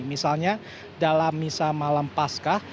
misalnya dalam misal malam pasca